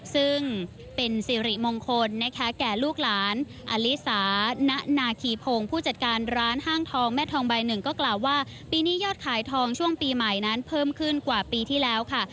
ซึ่งเป็นสิริมงคลนะคะแก่ลูกหลานอลิสาณนาคีพงศ์ผู้จัดการร้านห้างทองแม่ทองใบหนึ่งก็กล่าวว่าปีนี้ยอดขายทองช่วงปีใหม่นั้นเพิ่มขึ้นกว่าปีที่แล้วค่ะ